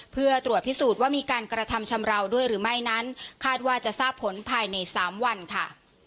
เพื่อตรวจพิสูจน์ว่ามีการกระทำชำราวด้วยหรือไม่นั้นคาดว่าจะทราบผลภายใน๓วันค่ะ